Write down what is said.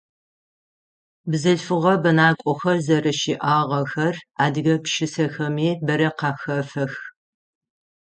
Бзылъфыгъэ бэнакӏохэр зэрэщыӏагъэхэр адыгэ пшысэхэми бэрэ къахэфэх.